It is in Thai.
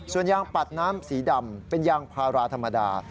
ส่วนยางปัดน้ำสีดำเป็นยางพาราธรรมดา